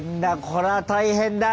これは大変だ！